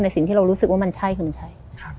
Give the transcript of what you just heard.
สิ่งที่เรารู้สึกว่ามันใช่คือมันใช่